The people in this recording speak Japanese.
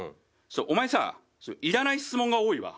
お前さいらない質問が多いわ。